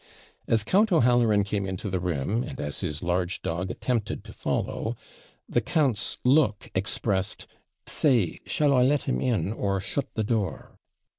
As Count O'Halloran came into the room, and as his large dog attempted to follow, the count's voice expressed: 'Say, shall I let him in, or shut the door?'